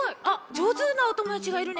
じょうずなおともだちがいるね。